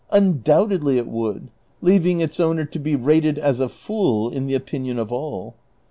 Undoubtedly it would, leaving its owner to be rated as a fool in the opinion of all.